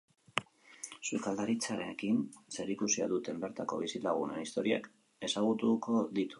Sukaldaritzarekin zerikusia duten bertako bizilagunen historiak ezagutuko ditu.